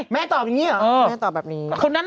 แม่ตอบอย่างนี้หรอ